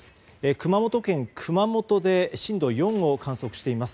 熊本県熊本で震度４を観測しています。